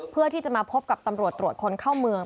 เพื่อที่จะมาพบกับตำรวจตรวจคนเข้าเมือง